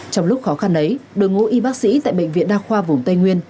trong lúc khó khăn ấy đội ngũ y bác sĩ tại bệnh viện đa khoa vùng tây nguyên